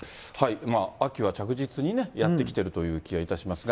秋は着実にね、やって来ているという気がいたしますが。